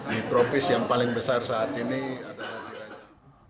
di tropis yang paling besar saat ini adalah di raja